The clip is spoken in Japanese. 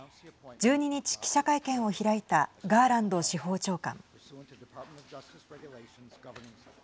１２日、記者会見を開いたガーランド司法長官。